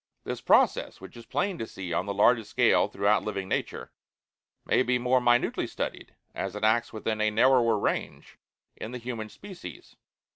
This process, which is plain to see on the largest scale throughout living nature, may be more minutely studied, as it acts within a narrower range, in the human species.